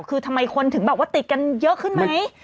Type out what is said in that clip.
คือทำไมคนถึงแบบว่าติดกันเยอะขึ้นไหม